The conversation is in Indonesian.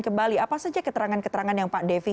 kembali apa saja keterangan keterangan yang pak devi